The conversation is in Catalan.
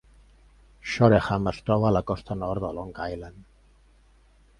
Shoreham es troba la costa nord de Long Island.